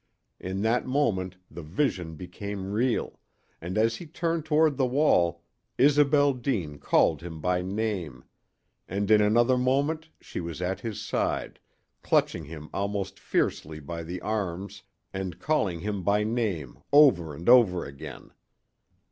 In that moment the vision became real, and as he turned toward the wall Isobel Deane called him by name; and in another moment she was at his side, clutching him almost fiercely by the arms and calling him by name over and over again.